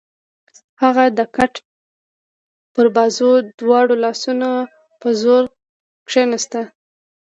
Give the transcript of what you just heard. هغه د کټ پر بازو د دواړو لاسونو په زور کېناست.